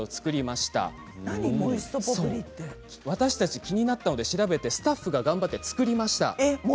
私たちスタッフも気になったので調べてスタッフが作りました。